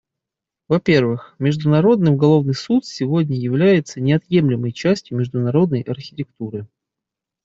Во — первых, Международный уголовный суд сегодня является неотъемлемой частью международной архитектуры.